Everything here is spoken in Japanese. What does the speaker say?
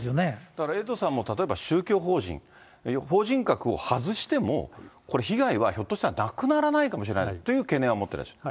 だからエイトさんも、例えば宗教法人、法人格を外しても、これ被害はひょっとしたらなくならないかもしれないという懸念を持ってらっしゃる。